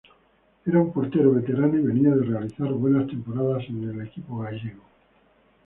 Era un portero veterano y venía de realizar buenas temporadas en el equipo gallego.